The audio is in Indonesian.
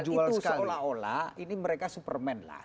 itu seolah olah ini mereka superman lah